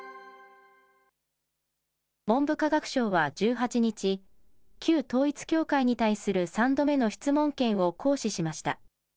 文部科学省は１８日、旧統一教会に対する３度目の質問権を行使しました。